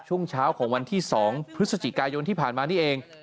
ช่วงเช้าของวันที่๒พฤศจิกายนที่ผ่านมานี่เอง